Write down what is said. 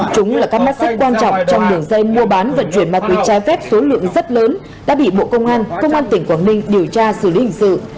chúng là các mắt xích quan trọng trong đường dây mua bán vận chuyển ma túy trái phép số lượng rất lớn đã bị bộ công an công an tỉnh quảng ninh điều tra xử lý hình sự